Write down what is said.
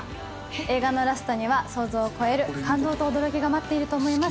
映画のラストには想像を超える感動と驚きが待っていると思います